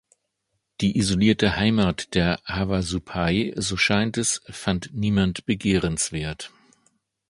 Die isolierte Heimat der Havasupai, so scheint es, fand niemand begehrenswert.